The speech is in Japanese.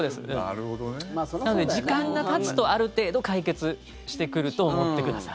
なので、時間がたつとある程度、解決してくると思ってください。